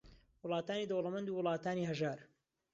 وڵاتانی دەوڵەمەند و وڵاتانی ھەژار